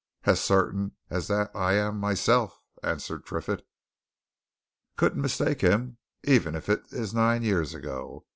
"As certain as that I'm myself!" answered Triffitt. "Couldn't mistake him even if it is nine years ago.